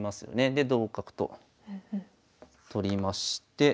で同角と取りまして。